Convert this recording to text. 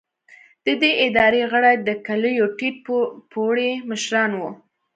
د دې ادارې غړي د کلیو ټیټ پوړي مشران وو.